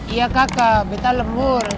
iya kakak betah lemur